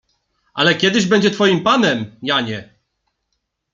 Ale kiedyś będzie twoim panem, Janie!